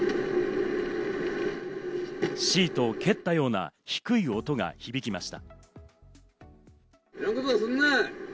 シートを蹴ったような低い音が響きました。